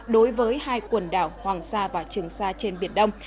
đối với hai quần đảo hoàng sa và trường sa trên biển đông